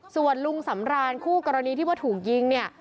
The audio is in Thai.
ส่วนลุงสำรานคู่กรณีที่ว่าถูกยิงเนี่ย